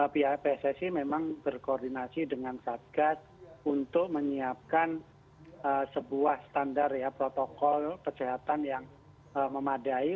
pihak pssi memang berkoordinasi dengan satgas untuk menyiapkan sebuah standar protokol kesehatan yang memadai